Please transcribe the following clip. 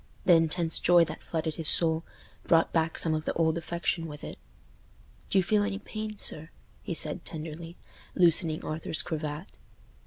The intense joy that flooded his soul brought back some of the old affection with it. "Do you feel any pain, sir?" he said, tenderly, loosening Arthur's cravat.